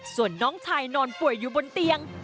ส่วนน้องชายนอนป่วยอยู่บนเตียง